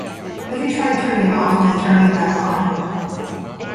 Have you tried turning it off and then turning it back on?